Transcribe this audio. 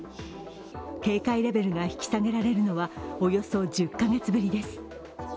警戒レベルが引き下げられるのはおよそ１０カ月ぶりです。